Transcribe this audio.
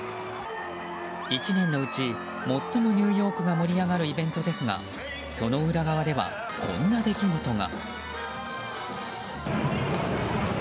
１年のうち最もニューヨークが盛り上がるイベントですがその裏側では、こんな出来事が。